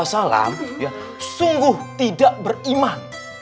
sungguh tidak beriman